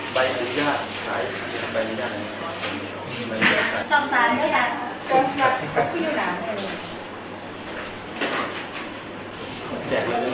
โดยดิงอัลรูปทุกวัน๑๙๑๑๒๐๒๑ที่จะดูทุกวันถึง๑๕๐๐นสบายอย่างก่อน